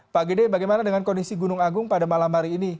pak gede bagaimana dengan kondisi gunung agung pada malam hari ini